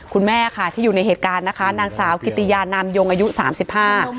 คุณแม่ค่ะที่อยู่ในเหตุการณ์นะคะนางสาวกิติยานามยงอายุสามสิบห้า